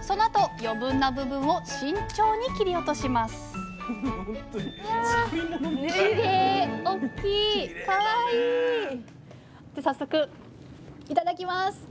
そのあと余分な部分を慎重に切り落としますじゃあ早速頂きます。